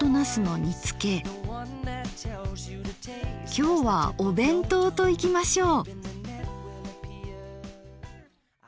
きょうはお弁当といきましょう。